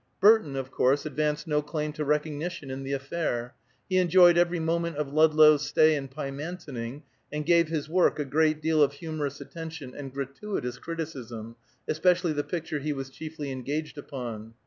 Burton, of course, advanced no claim to recognition in the affair. He enjoyed every moment of Ludlow's stay in Pymantoning, and gave his work a great deal of humorous attention and gratuitous criticism, especially the picture he was chiefly engaged upon.